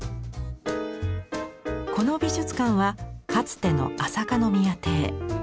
この美術館はかつての朝香宮邸。